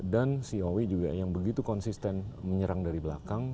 dan si owi juga yang begitu konsisten menyerang dari belakang